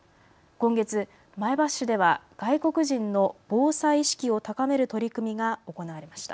今月、前橋市では外国人の防災意識を高める取り組みが行われました。